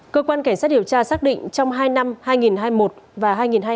cơ quan cảnh sát điều tra xác định trong hai năm hai nghìn hai mươi một và hai nghìn hai mươi ba